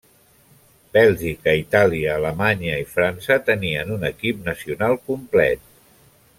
Bèlgica, Itàlia, Alemanya i França tenien un equip nacional complet.